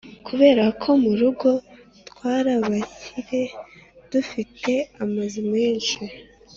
Kubera ko murugo twarabakire dutunze amazu menshi